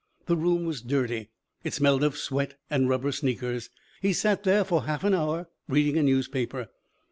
The room was dirty. It smelled of sweat and rubber sneakers. He sat there for half an hour, reading a newspaper.